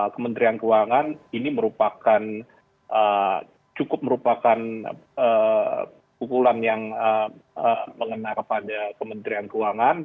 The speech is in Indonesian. kementerian keuangan ini merupakan cukup merupakan pukulan yang mengena kepada kementerian keuangan